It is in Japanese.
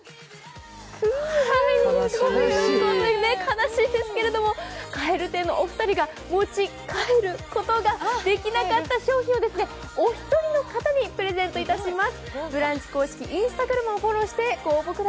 悲しいですけれども、蛙亭のお二人が持ちカエルことができなかった商品をお一人の方にプレゼントいたします。